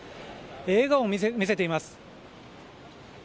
笑顔を見せています。